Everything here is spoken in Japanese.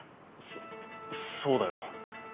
そそうだよ。